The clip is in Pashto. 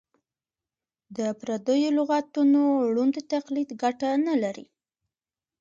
د پردیو لغتونو ړوند تقلید ګټه نه لري.